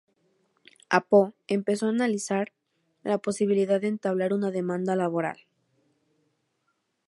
Apo empezó a analizar la posibilidad de entablar una demanda laboral.